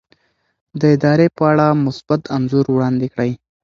د ادارې په اړه مثبت انځور وړاندې کړئ.